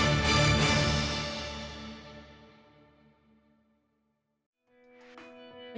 nhất là lớp trẻ